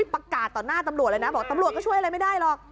ประกาศต่อหน้าตำรวจเลยนะบอกตำรวจก็ช่วยอะไรไม่ได้หรอก